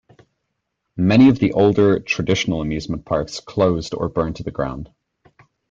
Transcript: Many of the older, traditional amusement parks closed or burned to the ground.